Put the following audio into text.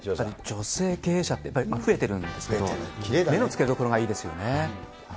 女性経営者ってあふれているんですけれども、目のつけどころがいいですよね。